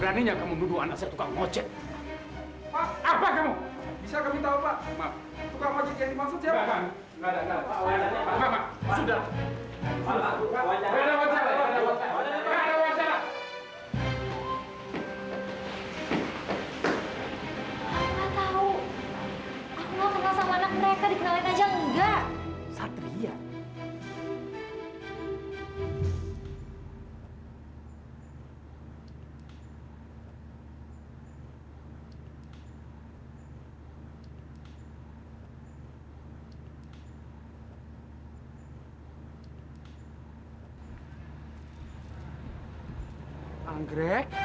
apa kamu lihat sebentar